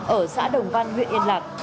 ở xã đồng văn huyện yên lạc